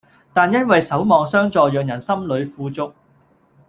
但因為守望相助讓人心裏富足